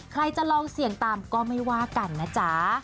ใครจะลองเสี่ยงตามก็ไม่ว่ากันนะจ๊ะ